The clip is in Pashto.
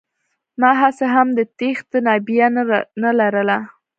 ما هسې هم د تېښتې تابيا نه لرله.